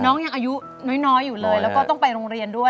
น้องยังอายุน้อยอยู่เลยแล้วก็ต้องไปโรงเรียนด้วย